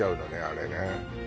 あれね